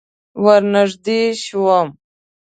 ور نږدې شوم.